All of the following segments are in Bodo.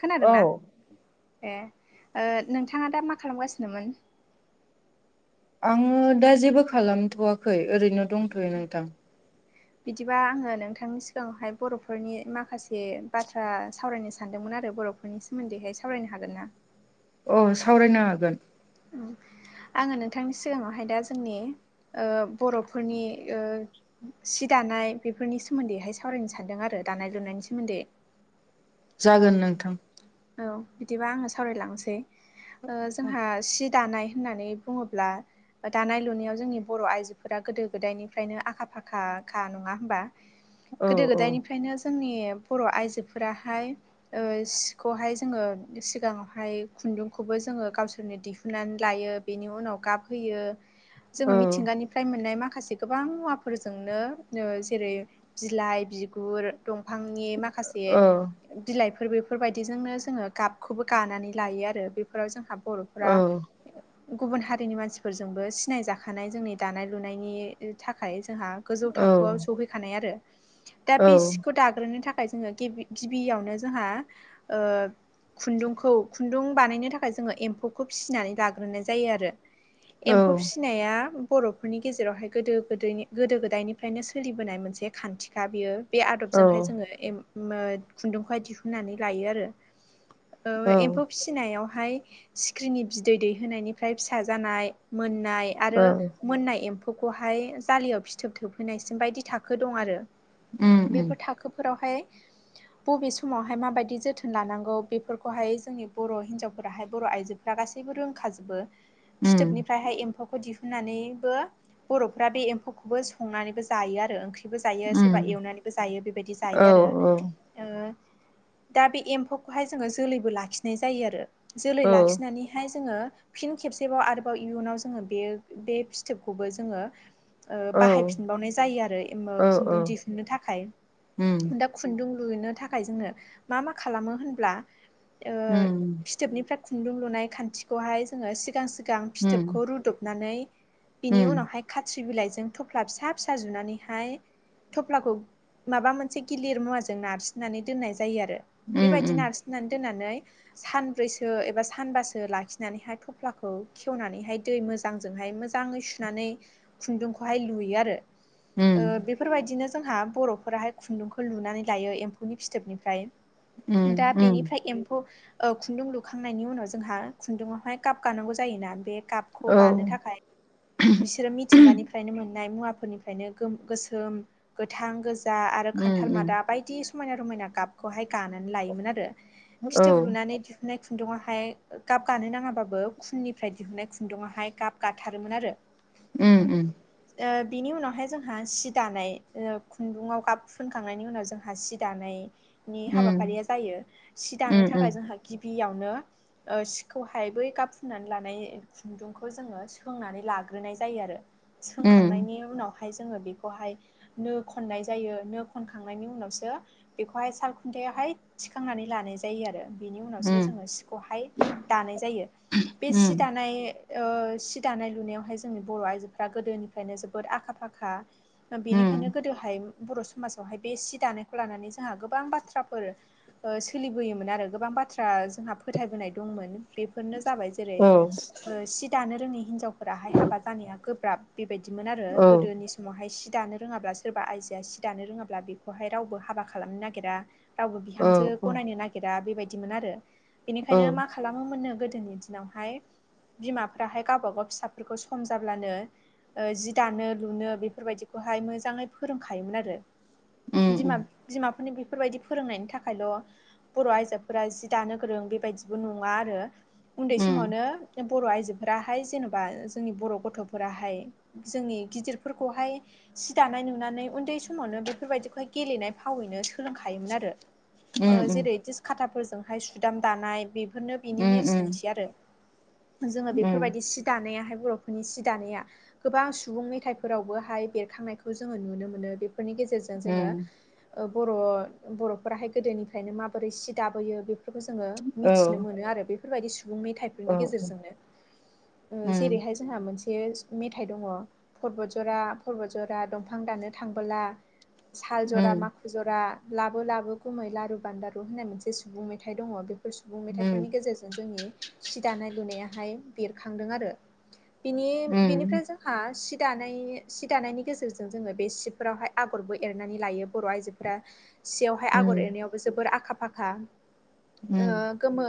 खोनादोंना औ ए नोंथांङा दा मा खालामगासिनोमोन आंङो दा जेबो खालामथ'वाखै ओरैनो दंथ'यो नोंथां बिदिबा आंङो नोंथांनि सिगांङावहाय बर'फोरनि माखासे बाथ्रा सावरायनो सानदोंमोन आरो बर'फोरनि सोमोन्दैहाय सावरायनो हागोन ना अ सावरायनो हागोन आंङो नोंथांनि सिगांङावहाय दा जोंनि बर'फोरनि सि दानाय बेफोरनि सोमोन्दैहाय सावरायनो सान्दों आरो दानाय लुनायनि सोमोन्दै जागोन नोंथां औ बिदिबा आंङो सावरायलांसै जोंहा सिट दानाय होननानै बुंङोब्ला दानाय लुनायाव जोंनि बर' आइजोफोरा गोदो गोदायनिफ्रायनो आखा फाखाखा नंङा होमबा औ गोदो औ गोदायनिफ्रायनो जोंनि बर' आइजोफोराहाय बे खौहाय जोंङो सिगांङावहाय खुन्दुंखौबो जोंङो गावसोरनो दिहुननानै लायो। बेनि उनाव गाबहयो औ जोंङो मिथिंगानि फफ्राय मोननाय माखासे गोबां मुवाफोरजोंनो जेरै बिलाइ बिगुर दंफांनि माखासे औ बिलाइफोर बेफोरबायदि बिदिजोंनो जोंङो गाबखौबो गानानै लायो आरो बेफोराव जोंहा औ बर'फोरा गुबुन हारिनि मानसिफोरजोंबो सिनायजाखानाय जोंनि दानाय लुनायनि थाखाय जोंहा गोजौ औ थाखोआव सौहैखानाय आरो दा औ बे सिखौ दाग्रोनो थाखाय [unintelligible] जोंङो गिबि गिबियावनो जोंहा खुन्दुंखौ खुन्दुं बानायनो थाखाय जोंङो एम्फौखौ फिसिनानै लाग्रोनाय जायो आरो एम्फौ औ फिनाया बर'फोरनि गेजेरावहाय गोदो गोदनि गोदो गोदायनिफ्रायनो सोलिबोनाय मोनसे खान्थिखा बियो बे आदबजोंहाय जोंङो खुन्दुंखौहाय दिहुननानै लायो आरो ओ औ एम्फौ फिनायावहाय सिख्रिनि बिदै दैहोनायनिफ्राय फिसा जानाय मोननाय आरो औ मोननाय एम्फौखौहाय जाालियाव फिथोब थोबहैनायसिम बायदि थाखो दं आरो उम उम बेफोर थाखोफोरावहाय बबे समावहाय माबायदि बिदि जोथोन लानांगौ बेफोरखौहाय जोंनि बर' हिनजावफोराहाय बर' आइजोफोरा गासैबो रोंखाजोबो उम फिथोबनिफ्रायहाय एम्फौखौ दिहुन होननानैबो बर'फ्रा बे एम्फौखौबो संनानैबो जायो आरो ओंख्रि जायो उम सोरबा एवनानैबो जायो बेबायदि औ जायो आरो दा बे एम्फौखौहाय जोंङो जोलैबो लाखिनाय जायो आरो जोलै औ लाखिनानैहाय जोङो फिन खेबसेबाव आरोबाव इयुनाव जोंङो बे बे फिथोबखौबो जोंङो औ बाहायफिनबावनाय जायो आरो औ औ खुन्दुं दिहुनन्नो थाखाय उम दा खुन्दुं लुनो थाखाय जोंङो मा मा खालामो होनब्ला उम फिथोबनिफ्राय खुन्दुं लुनाय खान्थिखौहाय जोंङो सिगां सि सि गां उम फिथोबखौ रुदबनानै बिनि उम उनावहाय खाथ्रि बिलाइजों थफ्ला फिसा फिसा जुनानैहाय थफ्लाखौ माबा मोनसे गिलिर मुवाजों नारसिननानै दोननाय जायो आरो उम बेबायदि नारसिननानै दोननानै सानब्रैसो एबा सानबासो लाखिनानैहाय थफ्लाखौ खेवनानैहाय दै मो मोजांजोंहाय मोजांङै सुनानै खुन्दुंखौहाय लुयो आरो उम बेफोरबायदिनो जोंहा बर'फोराहाय खुन्दुंखौ लुनानै लायो एम्फौनि फिथोबनिफ्राय उम दा उम बेनिफ्राय एम्फौ औ खुन्दुं लुखांनायनि उनाव जोंहा खुन्दुंआवहाय गाब गानांगौ जायोना बे गाब खौ औ गानो थाखाय बिसोरो मिथिंगानिफ्राय फ्रायनो मोननाय मुवाफोरनिफ्रायनो गो गोसोम गोथां गोजा आरो उम खान्थाल उम मादाब बायदि समायना रमायना गाबखौहाय गानानै लायोमोन आरो औ फिथोब लुनानै नाय खुन्दुंआवहाय गाब गानो नाङाबाबो खुननिफ्राय दिहुननाय खुन्दुंआवहाय गाब गाथारोमोन आरो [inaudible] उम उम बिनि उनावहाय जोंहा सि दानाय खुन्दुङाव गाब फुनखांनायनि उनाव जोंहा सि दानायनि उम हाबाफारिया जायो सि उम दानो थाखाय उम जोंहा गिबियावनो सिखौहाय बै गाब फुननानै लानाय खुन्दुंखौ जोङो सोंनानै लाग्रोनाय जायो आरो सोंखांनायनि उनाव हाय जोङो बेखौहाय नो खननाय जायो नो खनखांनायनि उनावसो बेखौहाय साल खुनथायावहाय थिखांनानै लानाय जायो जायो आरो बिनि उनावसो उम उम जोङो सिखौहाय दानाय जायो बे सि उम दानाय सि दानाय लुनायावहाय जोंनि बर' आइजोफ्रा गोदोनिफ्रायनो जोबोद आखा फाखा बेनिखायनो उम गोदोहाय बर' समाजावहाय बे सि दानायखौ लानानै जोंहा गोबां बाथ्रा फोर सोलिबोयोमोन आरो गोबां बाथ्रा जोंहा फोथायबोनाय दंमोन बेफोरनो जाबाय जेरै औ सि दानो रोङै हिनजावखौ फोराहाय हाबा जानाया गोब्राब बेबायदिमोन आरो औ गोदोनि सम समावहाय सि दानो रोङाब्ला सोरबा आयजोआ सि दानो रोङाब्ला बेखौहाय रावबो हाबा खालामनो नागिरा रावबो औ बिहामजो औ गनायनो नागिरा बेबायदिमोन आरो औ बेनिखायनो मा खालामो खालामो मोननो गोदोनि दिनावहाय बिमाफ्राहाय गावबागाव फिसाफोरखौ सम जाब्लानो जि दानो लुनो बेफोरबायदिखौहाय मोजाङै फोरोंखायोमोन आरो उम बिमा उम बिमाफोरनि बेफोरबायदि फोरोंनायनि थाखायल' बर' आयजोफोरा जि दानो गोरों बेबायदिबो नङा आरो उन्दै उम समावनो बर' आइजोफोराहाय जेन'बा जोंनि बर' गथ'फोराहाय जोंनि गिदिरफोरखौहाय सि दानाय नुनानै उन्दै समावनो बेफोरबायदिखौहाय गेलेनाय फावैनो सोलोंखा खायोमोन आरो उम उम ओ जेरै दिस खाथाफोरजोंहाय सुदाम दानाय बे बेफोरनो बिनि उम उम नेरसोनथि आरो जोङो उम बेफोरबायदि सिद सि दानायाहाय बर'फोरनि सि दानाया गोबां सुबुं मेथाइफोरावबोहाय बेरखांनायखौ जोङो नुनो मोनो बेफोरनि गेजेर जों उम जोङो' बर'फोराहाय गोदोनिफ्रायनो माबोरै सि दाबोयो बे फोरखौ जोङो औ मिथिनो मोनो आरो बेफोरबायदि सुबुं मेथाइ बेनि औ उम गेजेरजोंनो उम जेरैहाय जोंहा मोनसे मेथाइ दङ परबतजरा परबतजरा दंफां दाननो थांबोला साल जरा उम माखु जरा लाबो लाबो गुमै लारु बान्दारु होननाय मोनसे सुबुं मेथाइ दङ बे सुबुं उम मेथाइफोरनि गेजेरजों जोंनि सि दानाय लुनायाहाय बेरखांदों आरो बिनि उम बेनिफ्राय जों हा सि दानाय सि दानायनि गेजेरजों जोङो बे सिफोरावहाय आगरबो एरनानै लायो बर' आइजो सियावहाय उम आगर एरनायावबो जोबोर आखा फाखा उम गोमो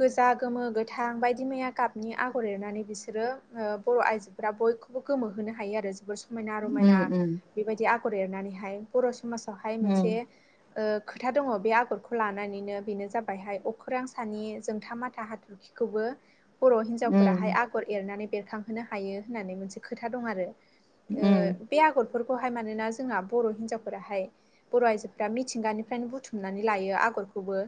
गोजा गोमो गोथां बायदि मैया गाबनि आगर एरनानै बिसोरो बर' आइजो फोरा बयखौबो गोमो होनो हायो आरो जोबोर सम समायना रमायना उम उम बेबायदि आगर एरनानैहाय बर' समाजावहाय मोनसे ओ खोथा दङ बे आगरखौ लानानैनो बेनो जाबायहाय अखोरां सानि जोंथा माथा हाथर खिखौबो बर' उम हिनजावफोराहाय आगर एरनानै बेरखांहोनो हायो होननानै मोनसे खोथा दं आरो बे आगरफोरखौहाय मानोना जोंना बर' हिनजावफोराहाय बर' आइजो मिथिंगानिफ्रायनो बुथुमनानै लायो आगरखौबो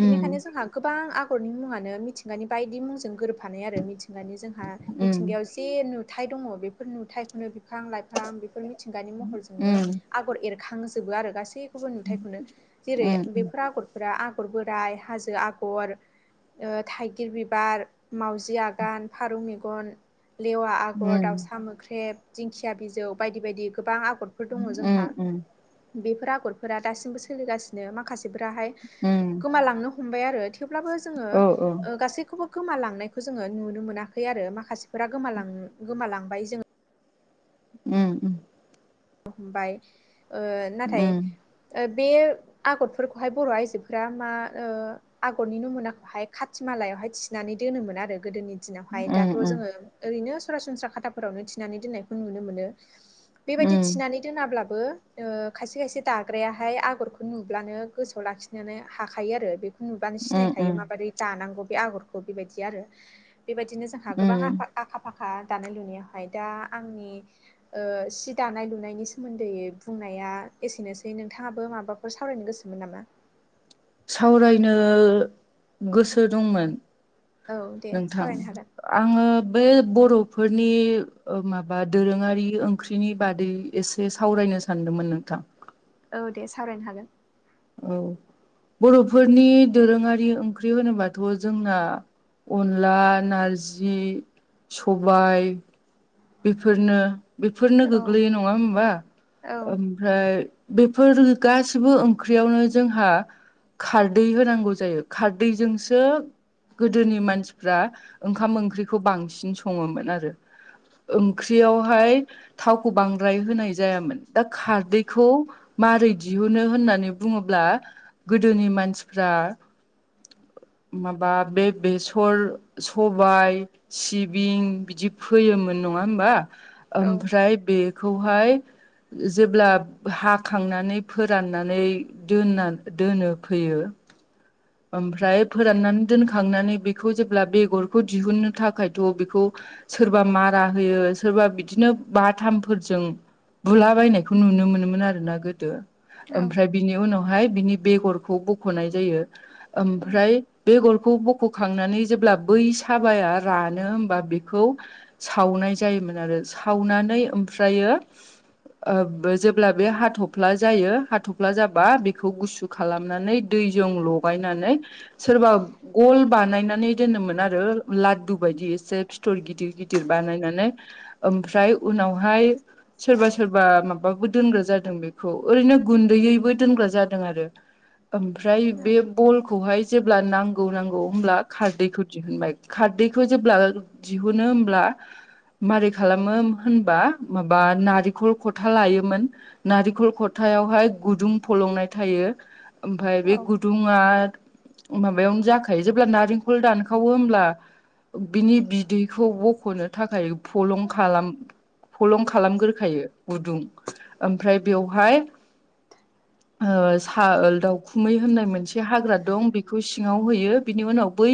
बिनिखायनो जोंहा गोबां आगरफोरनि मुङानो मिथिंगानि बायदि मुंजों गोरोबफानाय आरो मिथिंगानि जोंहा उम मिथिंगायाव जे नुथाय दङ बेफोर नुथायाइखौनो बिफां लाइफां बेफोर मिथिंगानि महरजोंनो आगर एरखांजोबो आरो गासै गुबुन नुथाइखौनो जेरै उम बेफोर आगर फोरा आगर बोराइ हाजो आगर थाइगिर बिबार माउजि आगान फारौ मेगन लेवा आगर दाउसा मोख्रेब दिंखिया बिजौ बायदि बायदि गोबां आगरफोर दङ जोंहा उम बेफोर नखरफोरा दासिमबो सोलिगासिनो माखासेफोराहाय उम गोमालांनो हमबाय आरो थेवब्लाबो जोङो औ औ गासैखौबो गोमालांनायखौ जोङो नुनो मोनाखै आरो माखासेफोरा गोमां गोमालांबाय जोङो उम उम हमबाय ओ उम नाथाय उम बे आगरफोरखौहाय बर' आइजोफोरा मा आगरनि नमुनाखौहाय खाथि मालायावहाय थिनानै दोनोमोन आरो गोदोनि दिनावहाय उम दाथ' जोङो ओरैनो सरासनस्रा खाथाफोरावनो थिनानै दोननायखौ नुनो मोनो बेबायदि थिनानै दोनाब्लाबो ओ खायसे खायसे दाग्रायाहाय आगरखौ नुब्लानो गोसोआव लाखि नानै हाखायो आरो बे नुबानो उम सिनायखायो उम माबोरै दानांगौ बे आगरखौ बेबायदि आरो बेबायदिनो जोंहा गोबां उम आफा आखा फाखा दानाय लुनायावहाय दा आंनि सिट दानाय लुनायनि सोमोन्दै बुंनाया एसेनोसै नोंथाङाबो माबाफोर सावरायनो गोसोमोन नामा सावरायनो गोसो दंमोन औ दे नोंथां सावरायनो हागोन आङो बे बर'फोरनि माबा दोरोङारि ओंख्रिनि बादै एसे सावरायनो सानदोंमोन नोंथां औ दे सावरायनो हागोन औ बर'फोरनि दोरोङारि ओंख्रि होनोबाथ' जोंना अनला नारजि सबाय बेफोरनो बेफोरनो औ गोग्लैयो नङा होमबा औ ओमफ्राय बेफोर गासिबो ओंख्रियावनो जोंहा खारदै होनांगौ जायो खारदैजोंसो गोदोनि मानसिफ्रा ओंखाम ओंख्रिखौ बांसिन सङोमोन आरो ओंख्रियावहाय थावखौ बांद्राय होनाय जायामोन दा खारदैखौ मारै दिहुनो होननानै बुङोब्ला गोदोनि मानसिफ्रा माबा बे बेसर सबाय सिबिं बिदि फोयोमोन नङा होमबा औ ओमफ्राय बेखौहाय जेब्ला हाखांनानै फोराननानै दोनना दोनो फैयो ओमफ्राय फोराननानै दोनखांनानै बेखौ जेब्ला बेगरखौ दिहुननो थाखायथ' बेखौ सोरबा मारा होयो सोरबा बिदिनो बाथामफोरजों बुला बायनायखौ नुनो मोनोमोन आरो ना गोदो औ औ ओमफ्राय बिनि उनावहाय बिनि बेगरखौ बख'नाय जायो ओमफ्राय बेगरखौ बख'खांनानै जेब्ला बै साबाया रानो हबा बेखौ सावनाय जायोमोन आरो सावनानै ओमफ्रायो जेब्ला बे हाथफ्ला जायो हाथ'फ्ला जाबा बेखौ गुसु खालामनानै दैजों ल गायनानै सोरबा गल बानायनानै दोनोमोन आरो ला दु बायदि एसे फिथर गिदिर गिदिर बानायनानै ओमफ्राय उनावहाय सोरबा सोरबा मा माबाबो दोनग्रा जादों बेखौ ओरैनो गुन्दैयैबो दोनग्रा जादों आरो ओमफ्राय बे बेखौहाय जेब्ला नांगौ नांगौ होमब्ला खारदैखौ दिहुनबाय खारदैखौ जेब्ला दिहुनो होमब्ला मारै खालामो होनबा माबा नारेंखल खथा लायोमोन नारेंखल खथायावहाय गुदुं फलंनाय थायो ओमफ्राय औ बे गुदुं ङा माबायावनो जाखायो जेब्ला नारेंखल दानखावो होमब्ला बिनि बिदैखौ बखनो थाखाय फलं खालाम फलं खालामग्रोखायो गुदुं ओमफ्राय बेवहाय ओ स दाउ खुमै होननाय मोनसे हाग्रा दं बेखौ सिङाव होयो बिनि उनाव बै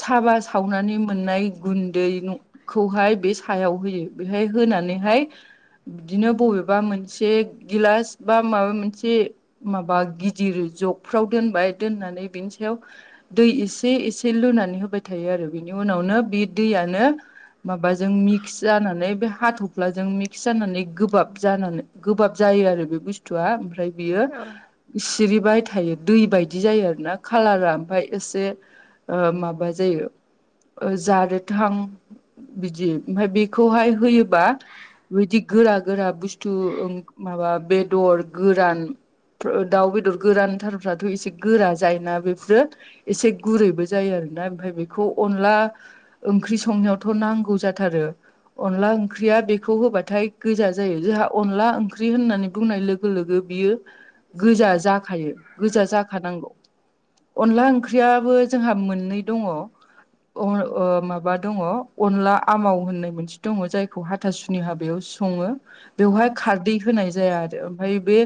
साबा सावनानै मोननाय गुन्दैखौहाय बे सायाव होयो बेहाय होनानैहाय बिदिनो बबेबा मोनसे गिलास बा माबा मोनसे माबा गिदिर जगफ्राव दोनबाय दोननानै बिनि सायाव दै एसे एसे लुनानै होबाय थायो आरो बेनि उनावनो बे दैयानो माबाजों मिक्स जानानै बे हाथफ्लाजों मिक्स जानानै गोबाब जानानै गोबाब जायो आरो बे बुस्थुआ ओमफ्राय बियो औ सिरिबाय थायो दै बाय दि जायो आरोना कालारा ओमफ्राय एसे माबा जायो जारेदहां बिदि ओमफ्राय बेखौहाय होयोबा बेबायदि गोरा गोरा बुस्थु माबा बेदर गोरान दाउ बेदर गोरानथारफ्राथ एसे गोरा जायोना बेफोरो एसे गुरैबो जायो आरोना ओमफ्राय बेखौ अनला ओंख्रि संनायावथ नांगौ जाथारो अनला ओंख्रिया बेखौ होबाथाय गोजा जायो जोंहा अनला ओंख्रि होननानै बुंनाय लोगो लोगो बियो गोजा जाखायो गोजा जाखानांगौ अनला ओंख्रियाबो जोंहा मोननै दङ अ माबा दङ अनला आमाव होननाय मोनसे दङ जायखौहाय हाथासुनि हाबायाव सङो बेवहाय खारदै होनाय जाया आरो ओमफ्राय बे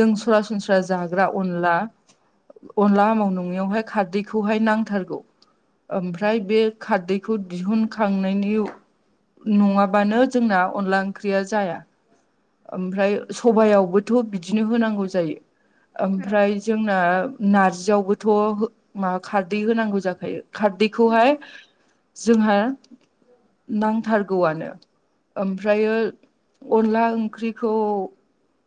जों सरासनस्रा जाग्रा अनला अनला आमाव नङैयावहाय खारदैखौहाय नांथारगौ ओमफ्राय बे खारदैखौ दिहुनखांनायनि नङाबानो जोंना अनला ओंख्रिया जाया ओमफ्राय सबायावबो थ बिदिनो होनांगौ जायो ओमफ्राय जोंना नारजियावबोथ माबा खारदै होनांगौ जाखायो खारदैखौहाय जोंहा नांथारगौआनो ओमफ्रायो अनला ओंख्रिखौ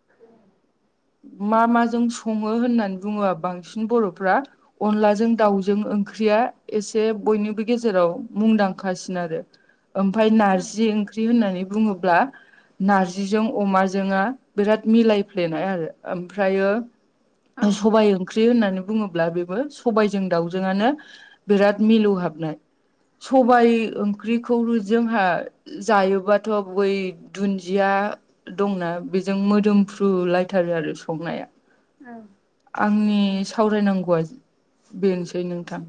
[unintelligible] मा माजों सङो होननानै बुङो बांसिन बर'फ्रा अनलाजों दाउजों ओंख्रिया एसे बयनिबो गेजेराव मुंदांखासिन आरो ओमफाय नारजि ओंख्रि होननानै बुङोब्ला नारजिजों अमाजोंआ बिराद मिलायफ्लेनाय आरो ओमफ्रायो औ सबाइ ओं ख्रि होननानै बुङोब्ला बेबो सबायजों दाउजोंआनो बिराद मिलौ हाबनाय सबाइ ओंख्रिखौ जोंहा जायोबा थ बै दुन्दिया दंना बेजों मोदोमफ्रु लाइ थारो आरो संनाया औ आंनि सावरायनांगौआ बेनोसै नोंथां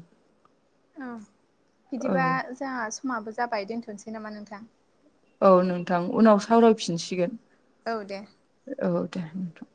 औ जाहा समाबो जाबाय दोनथनोसै नामा नोंथां औ नोंथां उनाव सावरायफिनसिगोन औ दे औ दे नोंथां